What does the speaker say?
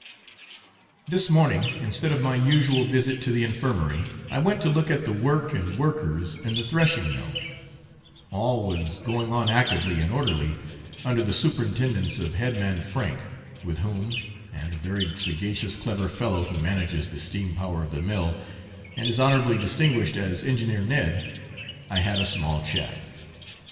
This morning, instead of my usual visit to the infirmary, I went to look at the work and workers in the threshing mill all was going on actively and orderly under the superintendence of head man Frank, with whom, and a very sagacious clever fellow, who manages the steam power of the mill, and is honourably distinguished as Engineer Ned, I had a small chat.